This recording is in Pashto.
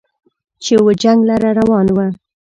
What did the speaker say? چې و جنګ لره روان و